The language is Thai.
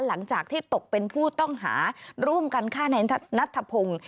หลังจากที่ตกเป็นผู้ต้องหาร่วมกันฆ่าในนัทธพงศ์